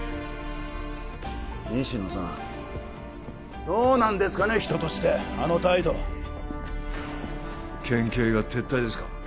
西野さんどうなんですかね人としてあの態度県警が撤退ですか？